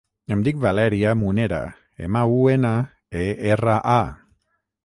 Em dic Valèria Munera: ema, u, ena, e, erra, a.